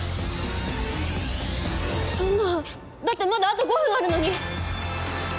そんなだってまだあと５分あるのに！